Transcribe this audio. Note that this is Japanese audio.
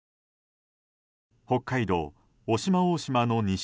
北海道渡島大島の西